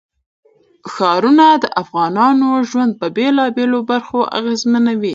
ښارونه د افغانانو ژوند په بېلابېلو برخو اغېزمنوي.